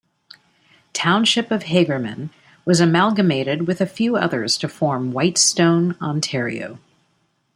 Township of Hagerman was amalgamated with a few others to form Whitestone, Ontario.